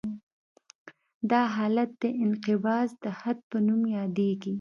دا حالت د انقباض د حد په نوم یادیږي